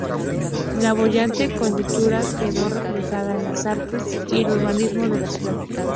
La boyante coyuntura quedó reflejada en las artes y el urbanismo de la ciudad.